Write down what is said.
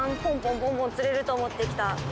ポンポン釣れると思って来た